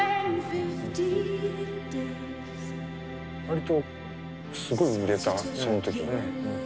割とすごい売れたその時。